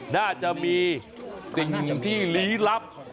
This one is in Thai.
น่าจะมีสิ่งที่ลี้ลับ